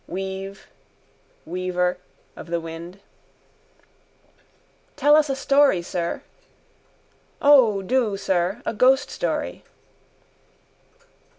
Weave, weaver of the wind. —Tell us a story, sir. —O, do, sir. A ghoststory.